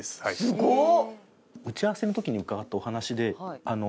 すごっ！